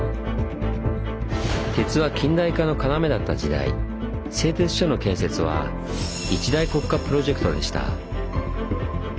鉄は近代化の要だった時代製鐵所の建設は一大国家プロジェクトでした。